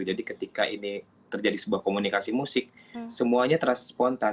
jadi ketika ini terjadi sebuah komunikasi musik semuanya terasa spontan